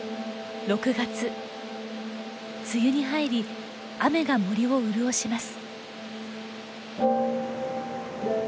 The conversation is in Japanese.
梅雨に入り雨が森を潤します。